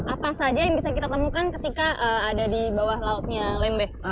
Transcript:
apa saja yang bisa kita temukan ketika ada di bawah lautnya lembeh